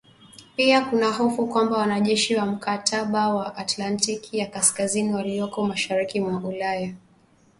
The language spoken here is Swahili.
Pia kuna hofu kwamba wanajeshi wa mkataba wa atlantiki ya kaskazini walioko mashariki mwa Ulaya